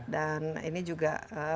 dan ini juga